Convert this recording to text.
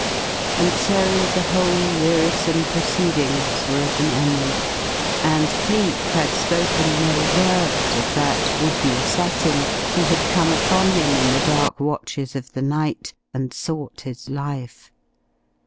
... And so the whole wearisome proceedings were at an end and Cleek had spoken no word of that would be assassin who had come upon him in the dark watches of the night and sought his life.